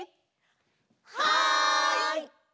はい！